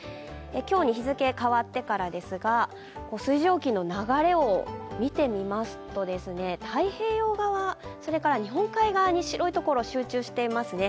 今日に日付が変わってからですが、水蒸気の流れを見てみますと太平洋側、日本海側に白い所が集中していますね。